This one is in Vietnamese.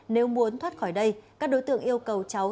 nếu muốn thoát khỏi đây các đối tượng yêu cầu cháu